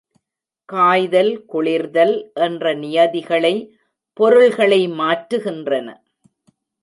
காய்தல் குளிர்தல் என்ற நியதிகளை பொருள்களை மாற்றுகின்றன.